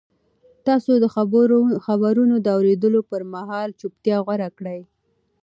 تاسو د خبرونو د اورېدو پر مهال چوپتیا غوره کړئ.